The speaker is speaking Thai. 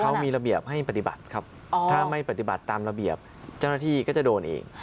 เขามีระเบียบให้ปฏิบัติครับถ้าไม่ปฏิบัติตามระเบียบเจ้าหน้าที่ก็จะโดนเอง